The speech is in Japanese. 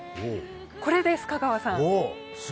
これです、香川さん。